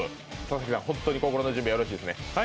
田崎さん、本当に心の準備はよろしいですね？